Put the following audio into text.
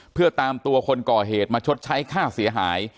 เพื่อตามตัวคนก่อเหตุมาชดใช้ค่าเสียหาย